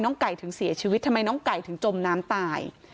ไก่ถึงเสียชีวิตทำไมน้องไก่ถึงจมน้ำตาย